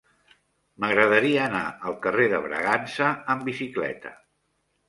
M'agradaria anar al carrer de Bragança amb bicicleta.